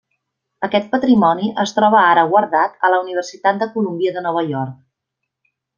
Aquest patrimoni es troba ara guardat a la Universitat de Colúmbia de Nova York.